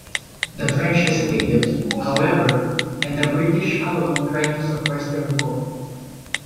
The French hesitated, however, and the British alone tried to suppress the revolt.